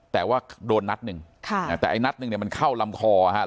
แต่ว่าโดนนัดหนึ่งแต่ไอ้นัดหนึ่งเนี่ยมันเข้าลำคอครับ